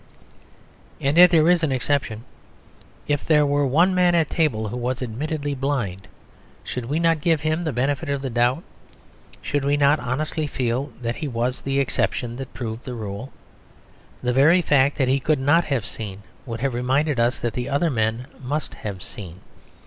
And yet there is an exception. If there were one man at table who was admittedly blind, should we not give him the benefit of the doubt? Should we not honestly feel that he was the exception that proved the rule? The very fact that he could not have seen would remind us that the other men must have seen.